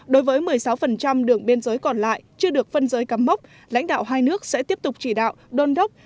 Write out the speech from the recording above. đối với một mươi sáu đường biên giới còn lại chưa được phân giới cắm mốc lãnh đạo hai nước sẽ tiếp tục chỉ đạo đôn đốc